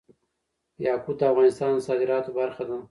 یاقوت د افغانستان د صادراتو برخه ده.